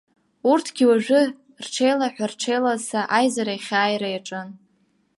Урҭгьы уажәы рҽеилаҳәа-рҽеилаца аизарахь ааира иаҿын.